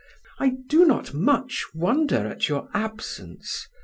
I do not much wonder at your absence.